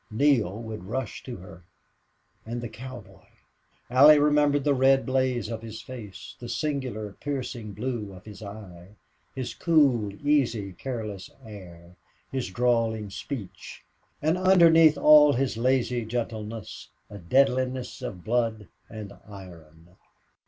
Neale would rush to her. And the cowboy! ... Allie remembered the red blaze of his face, the singular, piercing blue of his eye, his cool, easy, careless air, his drawling speech and underneath all his lazy gentleness a deadliness of blood and iron.